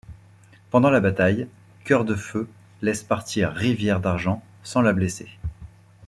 Pendant la bataille, Cœur de Feu laisse partir Rivière d'Argent sans la blesser.